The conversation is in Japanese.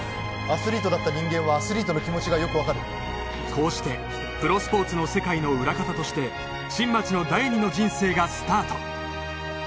アスリートだった人間はアスリートの気持ちがよく分かるこうしてプロスポーツの世界の裏方として新町の第二の人生がスタート